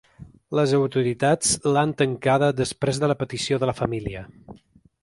Les autoritats l’han tancada després de la petició de la família.